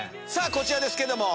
こちらですけども。